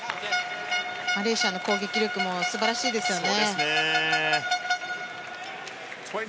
マレーシアの攻撃力も素晴らしいですよね。